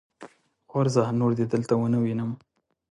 غورځه! نور دې دلته و نه وينم.